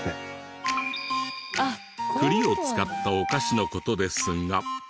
栗を使ったお菓子の事ですが。